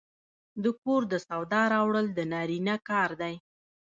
د کور د سودا راوړل د نارینه کار دی.